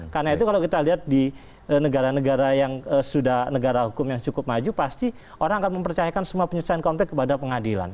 karena itu kalau kita lihat di negara negara yang sudah negara hukum yang cukup maju pasti orang akan mempercayakan semua penyelesaian komplek kepada pengadilan